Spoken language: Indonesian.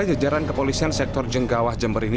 jajaran kepolisian sektor jenggawah jember ini